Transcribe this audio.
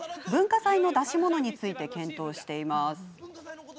文化祭の出し物について検討しています。